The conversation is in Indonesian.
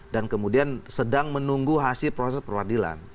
dan kemudian sedang menunggu hasil proses per peradilan